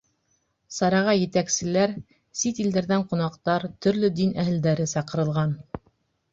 Сараға етәкселәр, сит илдәрҙән ҡунаҡтар, төрлө дин әһелдәре саҡырылған.